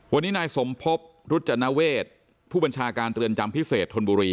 วันนี้นายสมพบรุจนเวทผู้บัญชาการเรือนจำพิเศษธนบุรี